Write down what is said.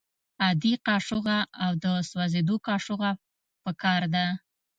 عادي قاشوغه او د سوځیدو قاشوغه پکار ده.